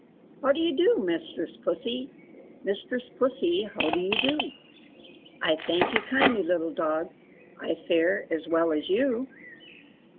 How do you do mistress Pussy? Mistress Pussy, how do you do?" "I thank you kindly, little dog, I fare as well as you!"